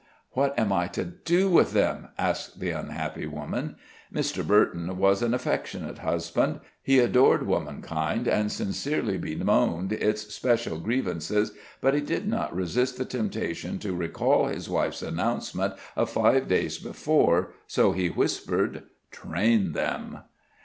"What am I to do with them?" asked the unhappy woman. Mr. Burton was an affectionate husband. He adored womankind, and sincerely bemoaned its special grievances; but he did not resist the temptation to recall his wife's announcement of five days before, so he whispered: "Train them."